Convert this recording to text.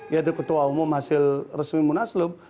yaitu ketua umum hasil resmi munaslup